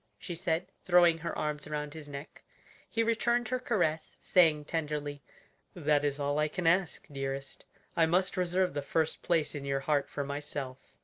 she said, throwing her arms around his neck. He returned her caress, saying tenderly, "That is all I can ask, dearest; I must reserve the first place in your heart for myself."